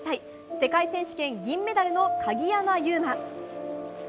世界選手権、銀メダルの鍵山優真。